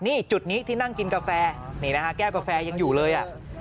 นี่จุดนี้ที่นั่งกินกาแฟนี่นะฮะแก้วกาแฟยังอยู่เลย